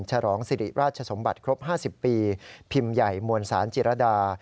ฉลองสิริราชสมบัติครบ๕๐ปีพิมพ์ใหญ่มวลสารจิรดา